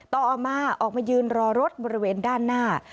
ต่อมาออกมายืนรอรถบริเวณด้านหน้า